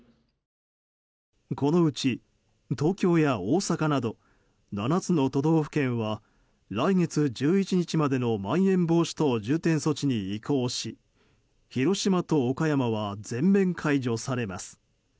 このうち東京や大阪など７つの都道府県は来月１１日までのまん延防止等重点措置に移行し広島と岡山は全面解除されます。